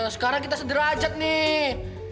sekarang kita sederajat nih